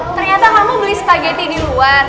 ternyata kamu beli spageti di luar